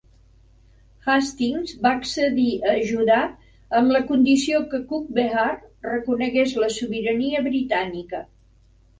Hastings va accedir a ajudar amb la condició que Cooch Behar reconegués la sobirania britànica.